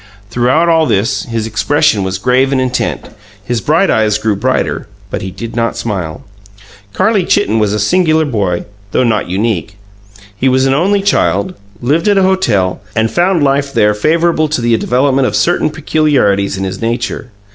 Throughout all this, his expression was grave and intent; his bright eyes grew brighter, but he did not smile. Carlie Chitten was a singular boy, though not unique: he was an "only child", lived at a hotel, and found life there favourable to the development of certain peculiarities in his nature.